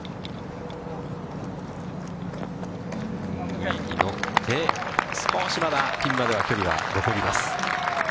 グリーンに乗って、少しまだピンまでは距離は残ります。